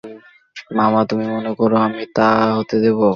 মামা, তুমি মনে করো আমি তা হতে দিব?